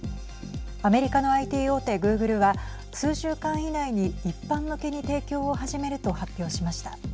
アメリカのＩＴ大手グーグルは数週間以内に一般向けに提供を始めると発表しました。